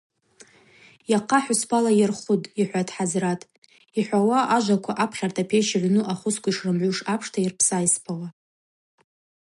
Йахъа хӏваспала йырхвытӏ,–йхӏватӏ Хӏазрат, йхӏвауа ажваква апхьарта пещ йыгӏвну ахвыцква йшрымгӏуш апшта йырпсайспауа.